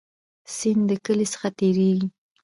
سیند د کلی څخه تیریږي